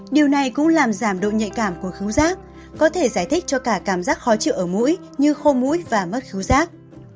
điều này cũng làm giảm độ nhạy cảm của cứu rác có thể giải thích cho cả cảm giác khó chịu ở mũi như khô mũi và mất cứu giác